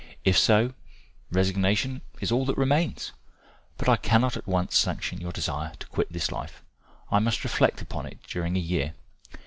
If so, resignation is all that remains. But I cannot at once sanction your desire to quit this life. I must reflect upon it during a year.